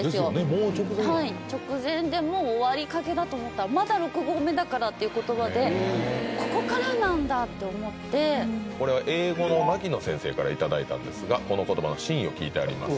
もう直前はい直前でもう終わりかけだと思ったらまだ６合目だからっていう言葉でここからなんだって思ってこれは英語の牧野先生から頂いたんですがこの言葉の真意を聞いてあります